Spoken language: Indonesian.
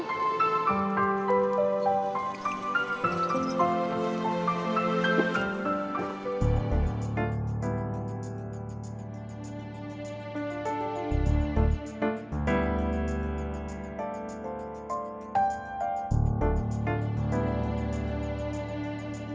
gila udah etel nya